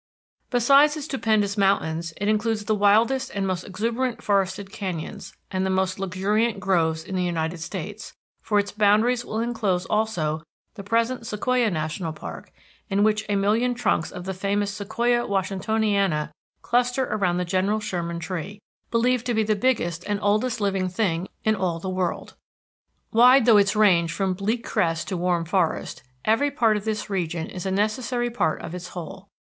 Besides its stupendous mountains, it includes the wildest and most exuberant forested canyons, and the most luxuriant groves in the United States, for its boundaries will enclose also the present Sequoia National Park, in which a million trunks of the famous Sequoia Washingtoniana cluster around the General Sherman Tree, believed to be the biggest and oldest living thing in all the world. Wide though its range from bleak crest to warm forest, every part of this region is a necessary part of its whole.